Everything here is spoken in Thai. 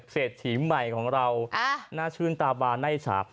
เศษหิใหม่ของเราน่าชื่นตาบาลในชาติ